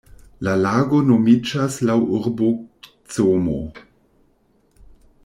La lago nomiĝas laŭ urbo Como.